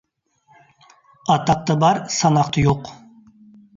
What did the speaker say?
ئاتاقتا بار، ساناقتا يوق.